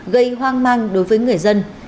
gây hoang mang đối với người dân